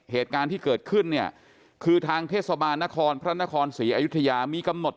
เหตุการณ์ที่เกิดขึ้นเนี่ยคือทางเทศบาลนครพระนครศรีอยุธยามีกำหนด